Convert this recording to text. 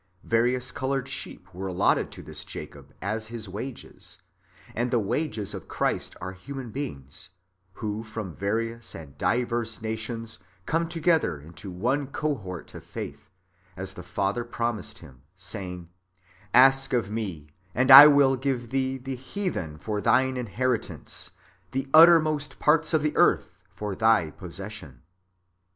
Various coloured sheep were allotted to this Jacob as his waejes ; and the wan; es of Christ are human beings, who from various and diverse nations come together into one cohort of faith, as the Father promised Him, saying, " Ask of me, and I will give Thee the heathen for Thine inheritance, the uttermost parts of the earth for Thy posses sion."